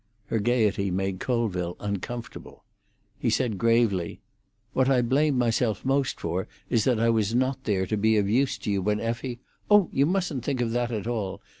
Her gaiety made Colville uncomfortable. He said gravely, "What I blame myself most for is that I was not there to be of use to you when Effie——" "Oh, you mustn't think of that at all.